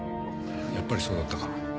やっぱりそうだったか。